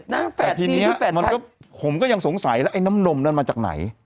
แต่ทีนี้ผมก็ยังสงสัยแล้วไอ้น้ำนมนั้นมาจากไหน